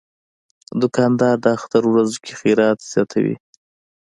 دوکاندار د اختر ورځو کې خیرات زیاتوي.